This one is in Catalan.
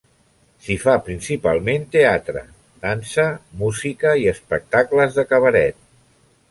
S'hi fa principalment teatre, dansa, música i espectacles de cabaret.